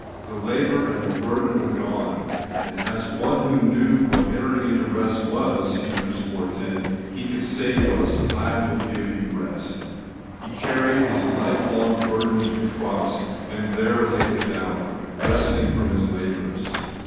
The labour and the burden were gone ; and as one who knew what entering into rest was (Heb. iv. 10), He could say to us, 'I will give you rest' He carried His life long burden to the cross, and there laid it down, 'resting from His labours.'